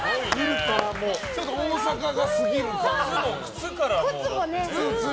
ちょっと大阪がすぎるというか。